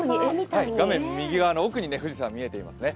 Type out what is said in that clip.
画面右側の奥に富士山が見えていますね。